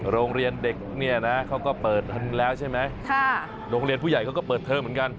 โรงเรียนเด็กเนี่ยนะเขาก็เปิดแล้วใช่ไหมค่ะโรงเรียนผู้ใหญ่เขาก็เปิดเทอมเหมือนกัน